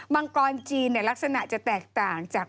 มังกรจีนลักษณะจะแตกต่างจาก